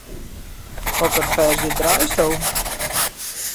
Hokker ferzje draaisto?